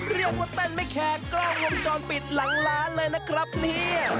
เรียกว่าเต้นไม่แคร์กล้องวงจรปิดหลังร้านเลยนะครับเนี่ย